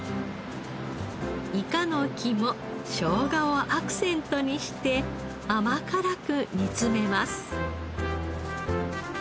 イカの肝ショウガをアクセントにして甘辛く煮詰めます。